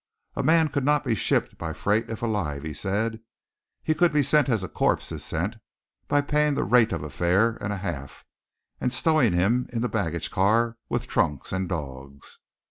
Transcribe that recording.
A man could not be shipped by freight if alive, he said. He could be sent as a corpse is sent, by paying the rate of a fare and a half and stowing him in the baggage car with trunks and dogs.